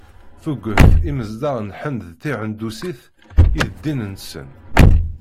Tuget imezdaɣ n Lhend d tihendusit i d ddin-nsen.